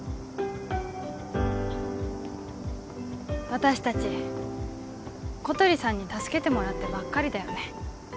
私達小鳥さんに助けてもらってばっかりだよね